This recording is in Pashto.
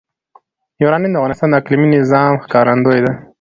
یورانیم د افغانستان د اقلیمي نظام ښکارندوی ده.